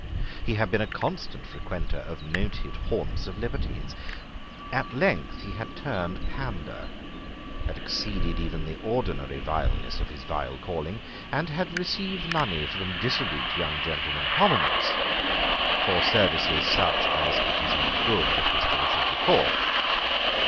He had been a constant frequenter of noted haunts of libertines. At length he had turned pandar, had exceeded even the ordinary vileness of his vile calling, and had received money from dissolute young gentlemen commoners for services such as it is not good that history should record.